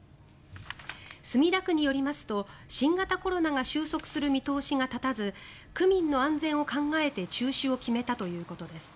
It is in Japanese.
墨田区によりますと新型コロナが収束する見通しが立たず区民の安全を考えて中止を決めたということです。